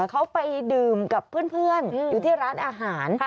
เขาไปดื่มกับเพื่อนอยู่ที่ร้านอาหาร